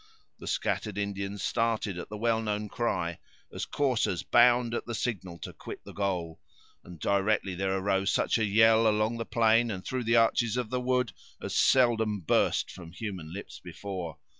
The scattered Indians started at the well known cry, as coursers bound at the signal to quit the goal; and directly there arose such a yell along the plain, and through the arches of the wood, as seldom burst from human lips before.